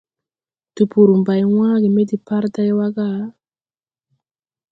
Tpur bay wããge me deparday wa ga ?